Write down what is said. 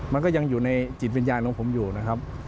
มันก็ยังอยู่ในจิตวิญญาณของผมอยู่นะครับ